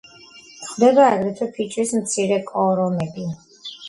გვხვდება აგრეთვე ფიჭვის მცირე კორომები.